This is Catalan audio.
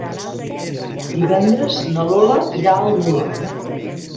Divendres na Lola irà al Molar.